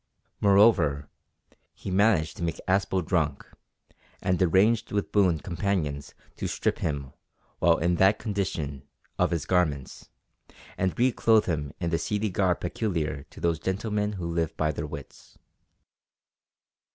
Moreover, he managed to make Aspel drunk, and arranged with boon companions to strip him, while in that condition, of his garments, and re clothe him in the seedy garb peculiar to those gentlemen who live by their wits.